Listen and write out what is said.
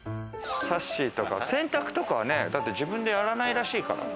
さっしーとか洗濯とかはね自分でやらないらしいから。